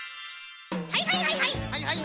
はいはいはいはい！